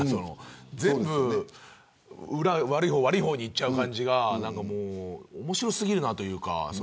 全部悪い方、悪い方にいっちゃう感じが面白すぎるな、というか。